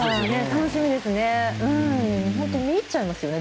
楽しみですね。